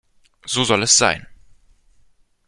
So soll es sein!